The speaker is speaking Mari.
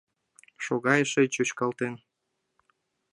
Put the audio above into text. Шога эше чӱчкалтен